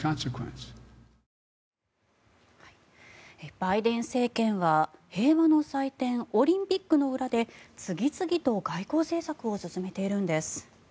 バイデン政権は平和の祭典、オリンピックの裏で次々と外交政策を進めているんです。